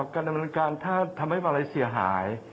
การดำเนินการถ้าทำให้อะไรเสียหาย